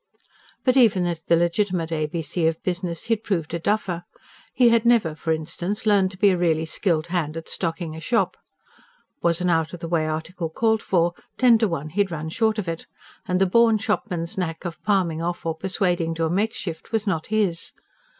But even at the legitimate ABC of business he had proved a duffer. He had never, for instance, learned to be a really skilled hand at stocking a shop. Was an out of the way article called for, ten to one he had run short of it; and the born shopman's knack of palming off or persuading to a makeshift was not his.